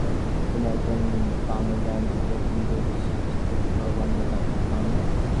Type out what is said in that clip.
তিনি একজন বাঙালি আইনজীবী জিতেন্দ্র বিশ্বাসের সাথে বিবাহবন্ধনে আবদ্ধ হন।